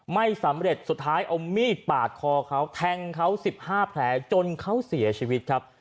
ไม่สำเร็จสุดท้ายเอามีดปาดคอเขาแทงเขา๑๕แผลจนเขาเสียชีวิตครับ